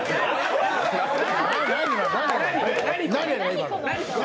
今の。